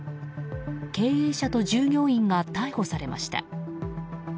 経営者と従業員が逮捕されました。